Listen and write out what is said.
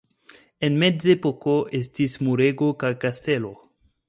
En Mezepoko estis murego kaj kastelo.